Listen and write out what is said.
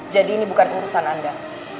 jadi ini bukan urusan anda